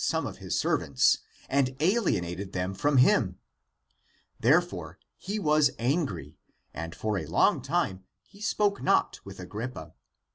122 THE APOCRYPHAL ACTS some of his servants and alienated them from him. Therefore he was angry, and for a long time he spoke not with Agrippa.